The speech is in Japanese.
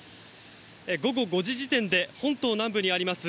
午後５時時点で本島南部にあります